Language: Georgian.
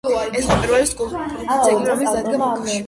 ეს იყო პირველი სკულპტურული ძეგლი, რომელიც დაიდგა ბაქოში.